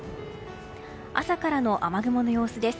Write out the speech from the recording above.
朝からの雨雲の様子です。